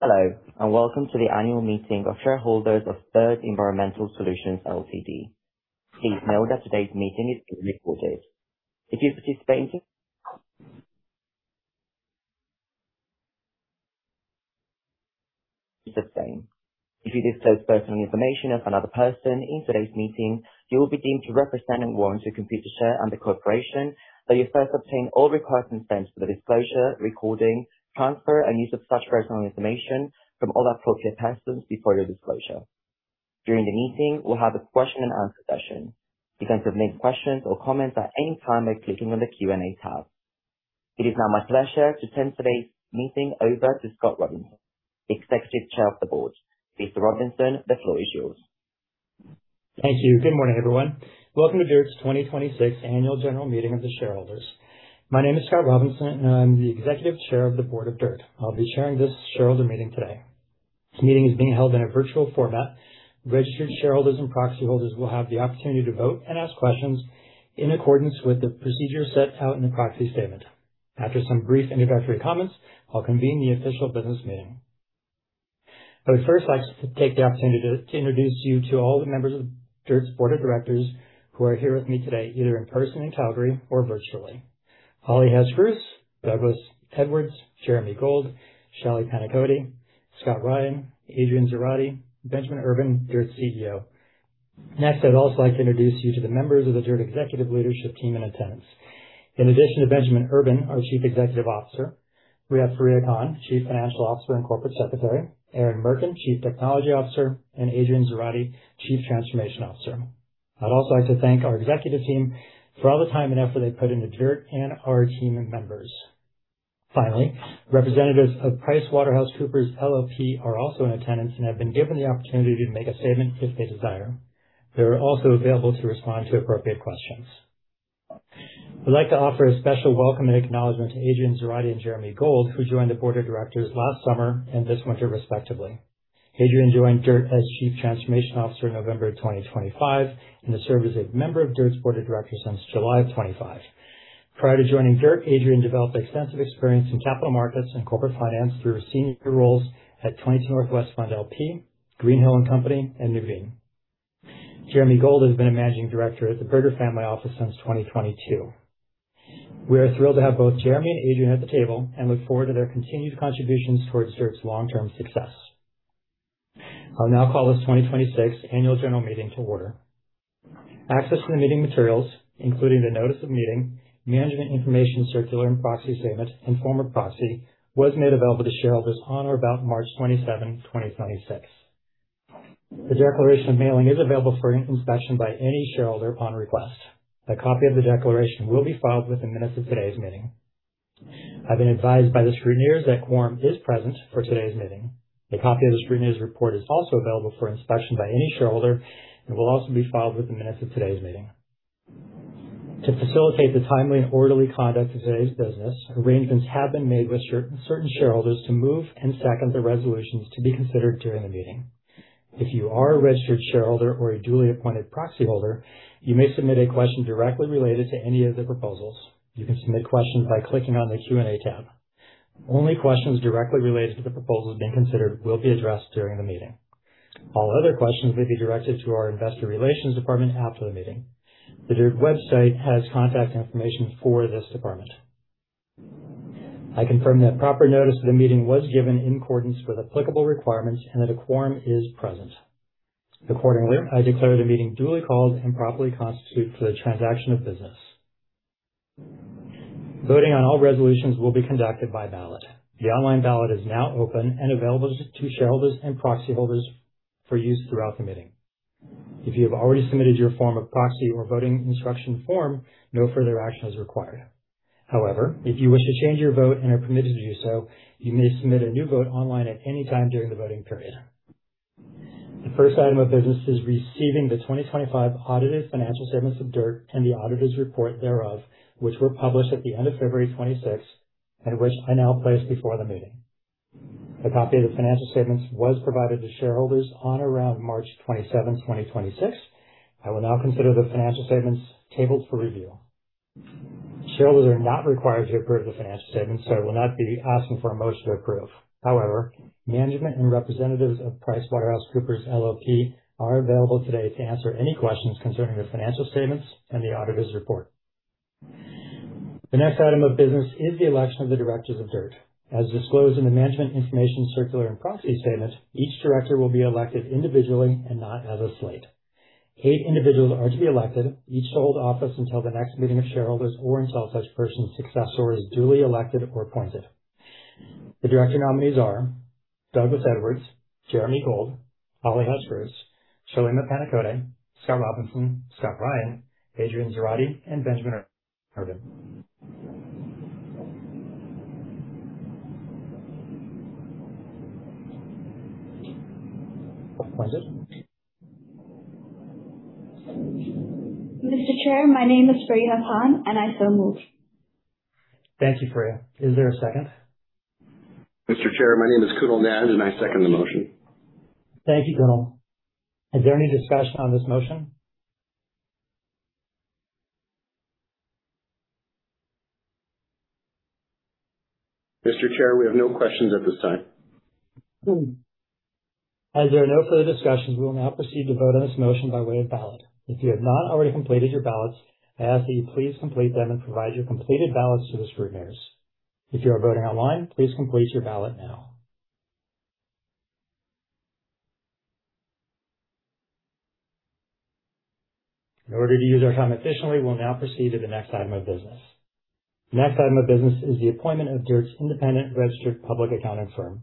Hello, welcome to the annual meeting of shareholders of DIRTT Environmental Solutions Ltd. Please note that today's meeting is recorded. If you participate in the same. If you disclose personal information of another person in today's meeting, you will be deemed to represent and warrant to Computershare and the corporation that you first obtained all required consent for the disclosure, recording, transfer, and use of such personal information from all appropriate persons before your disclosure. During the meeting, we'll have a question and answer session. You can submit questions or comments at any time by clicking on the Q&A tab. It is now my pleasure to turn today's meeting over to Scott Robinson, Executive Chair of the Board. Mr. Robinson, the floor is yours. Thank you. Good morning, everyone. Welcome to DIRTT's 2026 annual general meeting of the Shareholders. My name is Scott Robinson, and I'm the Executive Chair of the Board of DIRTT. I'll be chairing this shareholder meeting today. Today's meeting is being held in a virtual format. Registered shareholders and proxy holders will have the opportunity to vote and ask questions in accordance with the procedure set out in the proxy statement. After some brief introductory comments, I'll convene the official business meeting. I would first like to take the opportunity to introduce you to all the members of DIRTT's board of directors who are here with me today, either in person in Calgary or virtually. Holly Hess Groos, Douglas Edwards, Jeremy Gold, Shally Pannikode, Scott Ryan, Adrian Zarate, Benjamin Urban, DIRTT's CEO. Next, I'd also like to introduce you to the members of the DIRTT executive leadership team in attendance. In addition to Benjamin Urban, our Chief Executive Officer, we have Fareeha Khan, Chief Financial Officer and Corporate Secretary, Aaron Merkin, Chief Technology Officer, and Adrian Zarate, Chief Transformation Officer. I'd also like to thank our executive team for all the time and effort they put into DIRTT and our team members. Finally, representatives of PricewaterhouseCoopers LLP are also in attendance and have been given the opportunity to make a statement if they desire. They are also available to respond to appropriate questions. We'd like to offer a special welcome and acknowledgement to Adrian Zarate and Jeremy Gold, who joined the Board of Directors last summer and this winter, respectively. Adrian joined DIRTT as Chief Transformation Officer in November of 2025 and has served as a member of DIRTT's Board of Directors since July of 2025. Prior to joining DIRTT, Adrian developed extensive experience in capital markets and corporate finance through senior roles at 22NW Fund, LP, Greenhill & Co., and Nuveen. Jeremy Gold has been managing director at the Berger Family Office since 2022. We are thrilled to have both Jeremy and Adrian at the table and look forward to their continued contributions towards DIRTT's long-term success. I'll now call this 2026 annual general meeting to order. Access to the meeting materials, including the notice of meeting, management information circular and proxy statements, and form of proxy, was made available to shareholders on or about March 27, 2026. The declaration of mailing is available for inspection by any shareholder upon request. A copy of the declaration will be filed with the minutes of today's meeting. I've been advised by the scrutineers that quorum is present for today's meeting. A copy of the scrutineers' report is also available for inspection by any shareholder and will also be filed with the minutes of today's meeting. To facilitate the timely and orderly conduct of today's business, arrangements have been made with certain shareholders to move and second the resolutions to be considered during the meeting. If you are a registered shareholder or a duly appointed proxy holder, you may submit a question directly related to any of the proposals. You can submit questions by clicking on the Q&A tab. Only questions directly related to the proposals being considered will be addressed during the meeting. All other questions will be directed to our investor relations department after the meeting. The DIRTT website has contact information for this department. I confirm that proper notice of the meeting was given in accordance with applicable requirements and that a quorum is present. Accordingly, I declare the meeting duly called and properly constituted for the transaction of business. Voting on all resolutions will be conducted by ballot. The online ballot is now open and available to shareholders and proxy holders for use throughout the meeting. If you have already submitted your form of proxy or voting instruction form, no further action is required. If you wish to change your vote and are permitted to do so, you may submit a new vote online at any time during the voting period. The first item of business is receiving the 2025 audited financial statements of DIRTT and the auditor's report thereof, which were published at the end of February 26, which I now place before the meeting. A copy of the financial statements was provided to shareholders on or around March 27th, 2026. I will now consider the financial statements tabled for review. Shareholders are not required to approve the financial statements, so I will not be asking for a motion of approval. However, management and representatives of PricewaterhouseCoopers LLP are available today to answer any questions concerning the financial statements and the auditor's report. The next item of business is the election of the directors of DIRTT. As disclosed in the management information circular and proxy statement, each director will be elected individually and not as a slate. Eight individuals are to be elected, each to hold office until the next meeting of shareholders or until such person's successor is duly elected or appointed. The director nominees are Douglas Edwards, Jeremy Gold, Holly Hess Groos, Shally Pannikode, Scott Robinson, Scott Ryan, Adrian Zarate, and Benjamin Urban. Point it. Mr. Chair, my name is Fareeha Khan, I so move. Thank you, Fareeha. Is there a second? Mr. Chair, my name is Krunal Nan, I second the motion. Thank you, Krunal. Is there any discussion on this motion? Mr. Chair, we have no questions at this time. There are no further discussions, we will now proceed to vote on this motion by way of ballot. If you have not already completed your ballots, I ask that you please complete them and provide your completed ballots to the scrutineers. If you are voting online, please complete your ballot now. In order to use our time efficiently, we'll now proceed to the next item of business. The next item of business is the appointment of DIRTT's independent registered public accounting firm.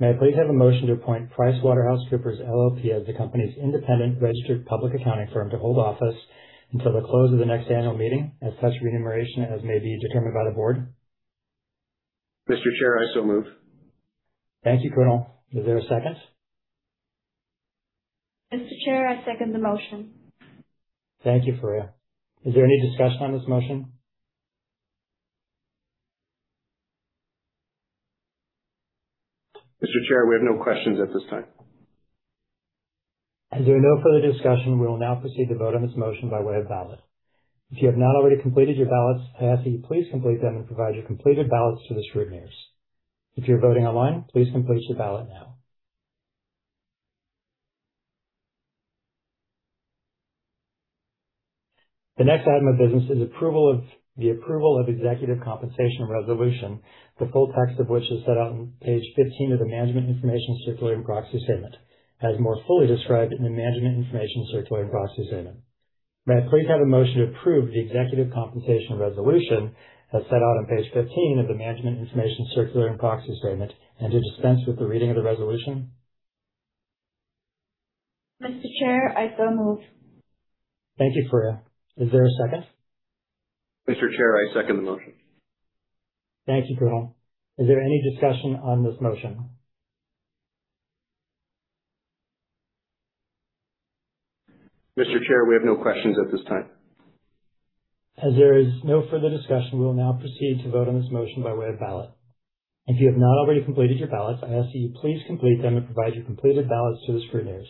May I please have a motion to appoint PricewaterhouseCoopers LLP as the company's independent registered public accounting firm to hold office until the close of the next annual meeting, at such remuneration as may be determined by the board? Mr. Chair, I so move. Thank you, Krunal. Is there a second? Mr. Chair, I second the motion. Thank you, Fareeha. Is there any discussion on this motion? Mr. Chair, we have no questions at this time. As there are no further discussion, we will now proceed to vote on this motion by way of ballot. If you have not already completed your ballots, I ask that you please complete them and provide your completed ballots to the scrutineers. If you're voting online, please complete your ballot now. The next item of business is the approval of executive compensation resolution, the full text of which is set on page 15 of the management information circular and proxy statement, as more fully described in the management information circular and proxy statement. May I please have a motion to approve the executive compensation resolution, as set out on page 15 of the management information circular and proxy statement and to dispense with the reading of the resolution? Mr. Chair, I so move. Thank you, Fareeha. Is there a second? Mr. Chair, I second the motion. Thank you, Krunal. Is there any discussion on this motion? Mr. Chair, we have no questions at this time. As there is no further discussion, we will now proceed to vote on this motion by way of ballot. If you have not already completed your ballots, I ask that you please complete them and provide your completed ballots to the scrutineers.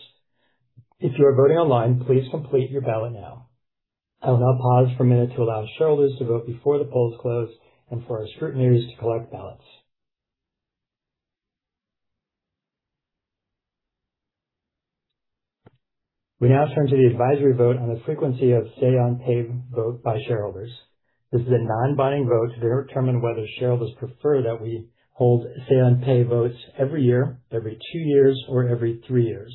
If you are voting online, please complete your ballot now. I will now pause for a minute to allow shareholders to vote before the polls close and for our scrutineers to collect ballots. We now turn to the advisory vote on the frequency of say on pay vote by shareholders. This is a non-binding vote to determine whether shareholders prefer that we hold say on pay votes every year, every two years, or every three years.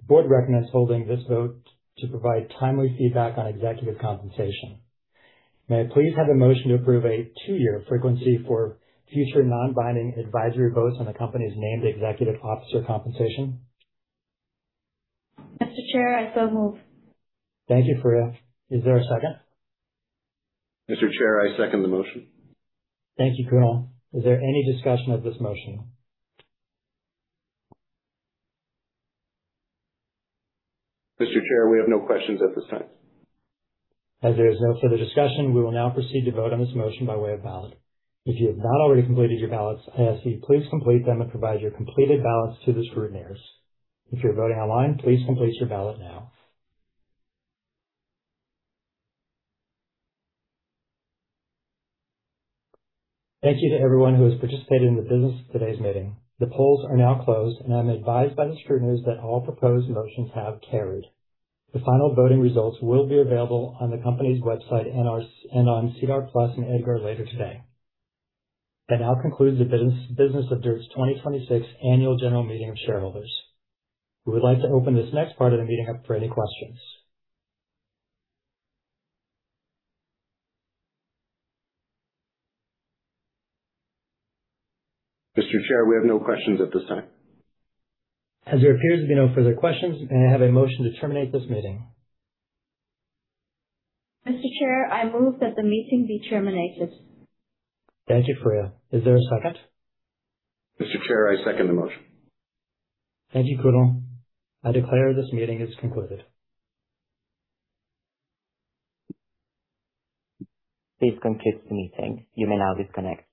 The Board recommends holding this vote to provide timely feedback on executive compensation. May I please have a motion to approve a two-year frequency for future non-binding advisory votes on the company's named executive officer compensation? Mr. Chair, I so move. Thank you, Fareeha. Is there a second? Mr. Chair, I second the motion. Thank you, Krunal. Is there any discussion of this motion? Mr. Chair, we have no questions at this time. As there is no further discussion, we will now proceed to vote on this motion by way of ballot. If you have not already completed your ballots, I ask that you please complete them and provide your completed ballots to the scrutineers. If you're voting online, please complete your ballot now. Thank you to everyone who has participated in the business of today's meeting. The polls are now closed, and I'm advised by the scrutineers that all proposed motions have carried. The final voting results will be available on the company's website and on SEDAR+ and EDGAR later today. That now concludes the business of DIRTT's 2026 Annual General Meeting of Shareholders. We would like to open this next part of the meeting up for any questions. Mr. Chair, we have no questions at this time. As there appears to be no further questions, may I have a motion to terminate this meeting? Mr. Chair, I move that the meeting be terminated. Thank you, Fareeha. Is there a second? Mr. Chair, I second the motion. Thank you, Krunal. I declare this meeting is concluded. Please conclude the meeting. You may now disconnect.